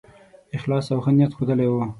اخلاص او ښه نیت ښودلی وو.